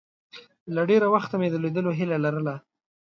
له ډېره وخته مې د لیدلو هیله لرله.